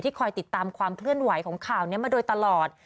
คอยติดตามความเคลื่อนไหวของข่าวนี้มาโดยตลอด